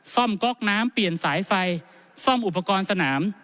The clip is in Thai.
ก๊อกน้ำเปลี่ยนสายไฟซ่อมอุปกรณ์สนาม